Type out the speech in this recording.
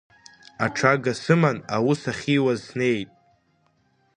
Аҽага сыманы, аус ахьиуаз снеит.